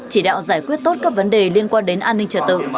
chỉ đạo giải quyết tốt các vấn đề liên quan đến an ninh trật tự